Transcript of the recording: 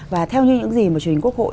và theo như những gì mà truyền hình quốc hội